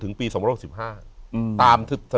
อยู่ที่แม่ศรีวิรัยิลครับ